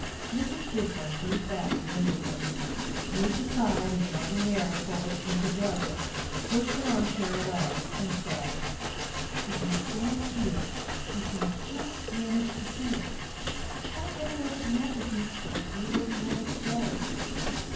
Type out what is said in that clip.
Mrs. Gisburn drew back the window curtains, moved aside a JARDINIÈRE full of pink azaleas, pushed an arm chair away, and said: "If you stand here you can just manage to see it. I had it over the mantel piece, but he wouldn't let it stay."